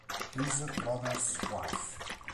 His Brother's Wife